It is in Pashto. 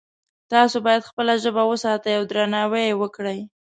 تاسو باید خپله ژبه وساتئ او درناوی یې وکړئ